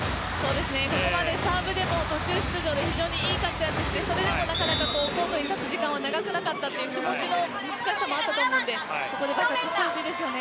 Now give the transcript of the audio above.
ここまでサーブでも途中出場で非常にいい活躍してそれでもなかなかコートに立つ時間は長くなかった気持ちの難しさもあると思うのでここで爆発してほしいですね。